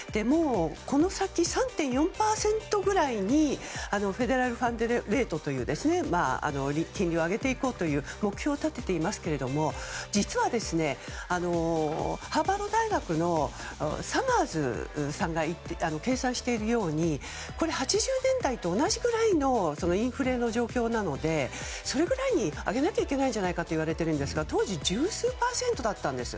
この先３．４％ぐらいにフェデラルファンデレートという金利を上げていこうという目標を立てていますけども実は、ハーバード大学のサマーズさんが掲載しているように８０年代と同じくらいのインフレの状況なのでそれくらい上げなきゃいけないんじゃないかといわれているんですが、当初十数パーセントだったんです。